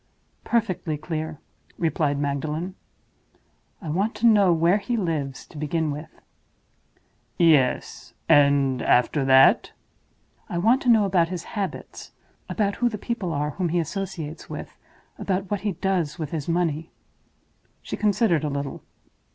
"Perfectly clear," replied Magdalen. "I want to know where he lives, to begin with." "Yes. And after that?" "I want to know about his habits; about who the people are whom he associates with; about what he does with his money—" She considered a little.